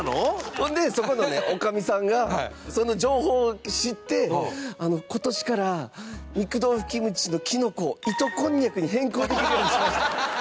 ほんで、そこの女将さんがその情報を知って今年から肉豆腐キムチのきのこを糸こんにゃくに変更できるようにしました。